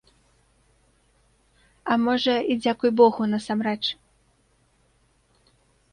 А можа, і дзякуй богу, насамрэч.